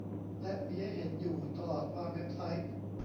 และมีให้เห็นอยู่ตลอดว่าเว็บไซต์